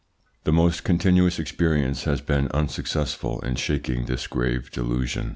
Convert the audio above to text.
The most continuous experience has been unsuccessful in shaking this grave delusion.